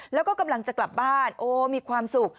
แล้วก็กำลังจะกลับบ้านโอ้มีความสุข